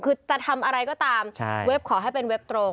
คือจะทำอะไรก็ตามเว็บขอให้เป็นเว็บตรง